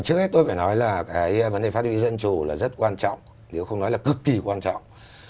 trước hết tôi phải nói là cái vấn đề phát huy dân chủ là rất quan trọng nếu không nói là cực kỳ quan trọng